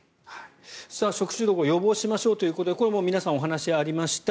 食中毒を予防しましょうということでこれもう皆さんお話ありました